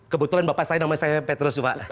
kebetulan bapak saya nama saya petrus pak